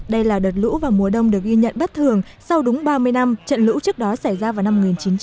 đây là đợt lũ và mùa đông được ghi nhận bất thường sau đúng ba mươi năm trận lũ trước đó xảy ra vào năm một nghìn chín trăm bảy mươi